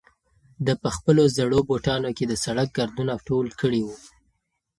ده په خپلو زړو بوټانو کې د سړک ګردونه ټول کړي وو.